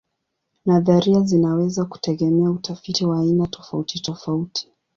Nadharia zinaweza kutegemea utafiti wa aina tofautitofauti.